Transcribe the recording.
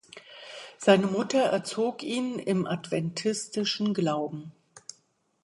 Seine Mutter erzog ihn im adventistischen Glauben.